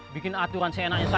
bikin aturan seenaknya saja